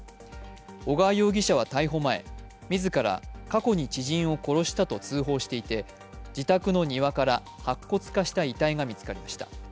小川容疑者は逮捕前、自ら過去に知人を殺したと通報していて自宅の庭から白骨化した遺体が見つかりました。